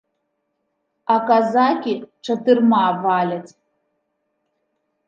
А казакі чатырма валяць.